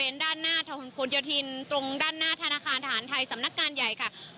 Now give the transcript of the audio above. ด้านหน้าถนนผลโยธินตรงด้านหน้าธนาคารทหารไทยสำนักงานใหญ่ค่ะ